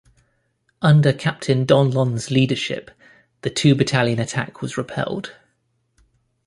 Under Captain Donlon's leadership, the two-battalion attack was repelled.